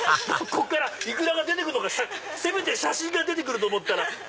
こっからイクラが出てくるかとせめて写真が出ると思ったら。